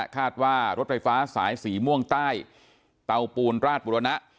คาดว่ารถไฟฟ้าสายสีม่วงใต้เตาปูนราชบุรณะ